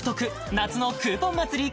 夏のクーポン祭り